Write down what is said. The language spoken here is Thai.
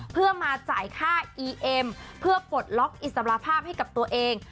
เพื่อมาจ่ายค่าอีเอ็มเพื่อปลดล็อกอิสระภาพให้กับตัวเอง